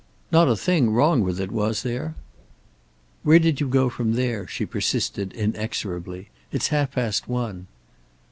Not a thing wrong with it, was there?" "Where did you go from there?" she persisted inexorably. "It's half past one."